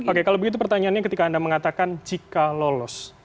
oke kalau begitu pertanyaannya ketika anda mengatakan jika lolos